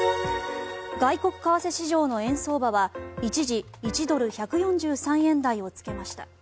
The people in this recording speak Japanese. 外国為替市場の円相場は一時、１ドル＝１４３円台をつけました。